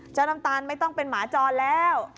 น้ำตาลไม่ต้องเป็นหมาจรแล้ว